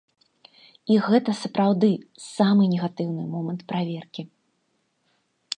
І гэта, сапраўды, самы негатыўны момант праверкі.